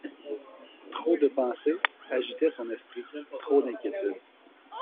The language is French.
Trop de pensées agitaient son esprit, trop d’inquiétudes!